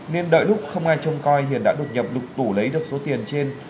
nên đợi lúc không ai trông coi hiền đã đột nhập đục tủ lấy được số tiền trên